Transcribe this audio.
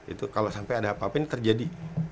itu kalau sampai ada apa apa ini terjadi